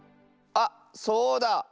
あっそうだ！